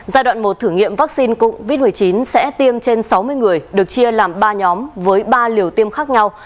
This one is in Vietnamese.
giai đoạn một thử nghiệm vaccine covid một mươi chín sẽ tiêm trên sáu mươi người được chia làm ba nhóm với ba liều tiêm khác nhau